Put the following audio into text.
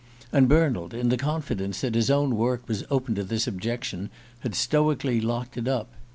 And Bernald, in the confidence that his own work was open to this objection, had stoically locked it up.